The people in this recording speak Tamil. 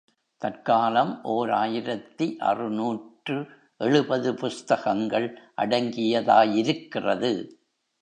தற்காலம் ஓர் ஆயிரத்து அறுநூற்று எழுபது புஸ்தகங்கள் அடங்கியதாயிருக்கிறது.